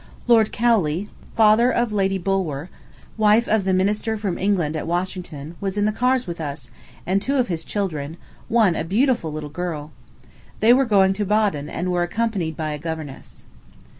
Lord Cowley, father of Lady Bulwer, wife of the minister from England at Washington, was in the cars with us, and two of his children one a beautiful little girl. They were going to Baden, and were accompanied by a governess.